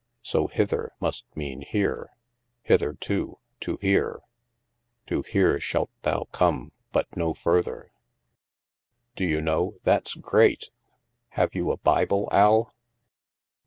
So 'hither' must mean here —* hitherto,' * to here.' * To here shalt thou come, but no further.' Do you know, that's great! Have you a Bible, Al?"